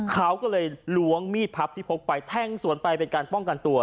เขาก็เลยล้วงมีดพับที่พกไปแทงสวนไปเป็นการป้องกันตัว